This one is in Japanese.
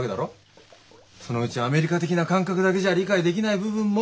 そのうちアメリカ的な感覚だけじゃ理解できない部分も出てくるぞ。